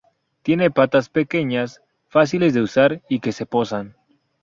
Tiene patas pequeñas fáciles de usar y que se posan.